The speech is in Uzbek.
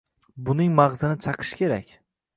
Buning mag‘zini chaqish kerak.